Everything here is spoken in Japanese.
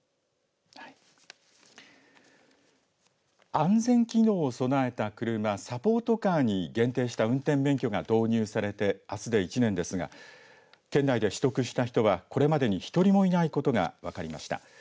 安全機能を備えた車サポートカーに限定した運転免許が導入されて、あすで１年ですが県内で取得した人はこれまでに１人もいないことが分かりました。